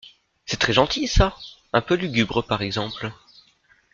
C’est très gentil ça !… un peu lugubre, par exemple…